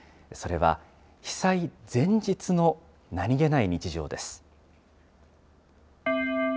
それは被災前日の何気ない日常です。